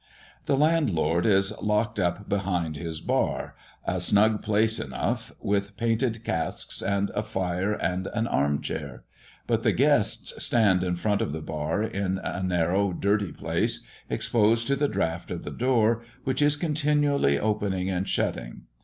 The landlord is locked up behind his "bar," a snug place enough, with painted casks and a fire and an arm chair; but the guests stand in front of the bar in a narrow dirty place, exposed to the draught of the door, which is continually opening and shutting.